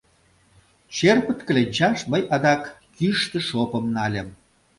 Черпыт кленчаш мый адак йӱштӧ шопым нальым.